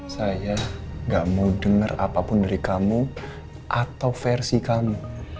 saya gak mau dengar apapun dari kamu atau versi kamu